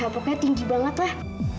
pokoknya tinggi banget lah